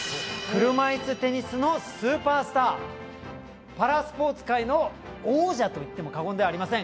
車いすテニスのスーパースターパラスポーツ界の王者といっても過言ではありません。